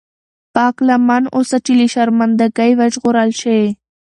پاک لمن اوسه چې له شرمنده ګۍ وژغورل شې.